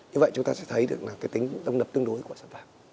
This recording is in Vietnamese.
như vậy chúng ta sẽ thấy được cái tính đông lập tương đối của sản phẩm